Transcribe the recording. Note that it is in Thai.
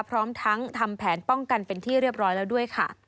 พร้อมทั้งทำแผนป้องกันเป็นที่เรียบร้อยแล้วด้วยค่ะ